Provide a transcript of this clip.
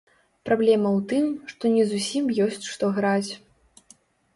Праблема ў тым, што не зусім ёсць што граць.